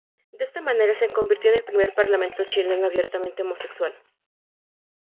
De esta manera, se convirtió en el primer parlamentario chileno abiertamente homosexual.